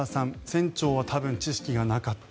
船長は多分知識がなかった。